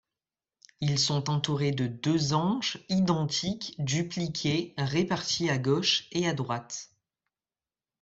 Ils sont entourés de deux anges, identiques, dupliqués, répartis à gauche et à droite.